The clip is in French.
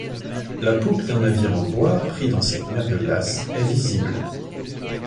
La poupe d'un navire en bois pris dans cette mer de glace est visible.